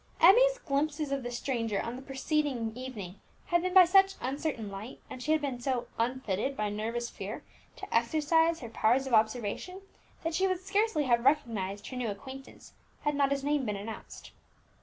Emmie's glimpses of the stranger on the preceding evening had been by such uncertain light, and she had been so unfitted by nervous fear to exercise her powers of observation, that she would scarcely have recognized her new acquaintance had not his name been announced.